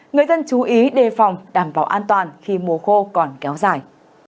người dân chú ý đề phòng đảm bảo an toàn khi mùa khô còn kéo dài